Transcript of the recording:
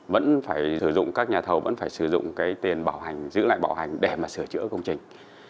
vẫn phải sử dụng các nhà thầu vẫn phải sử dụng cái tiền bảo hành giữ lại bảo hành để mà sửa chữa công trình